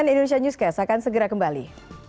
cnn indonesia newscast akan segera kembali